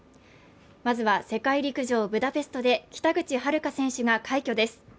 まずは世界陸上ブダペストで北口榛花選手が快挙です